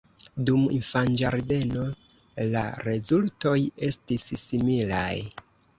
Dum infanĝardeno la rezultoj estis similaj.